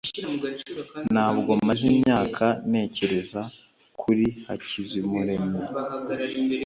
Ntabwo maze imyaka ntekereza kuri Hakizamuremyi